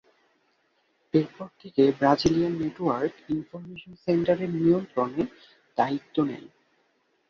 এরপর থেকে Brazilian network information centre এর নিয়ন্ত্রণের দ্বায়িত্ব নেয়।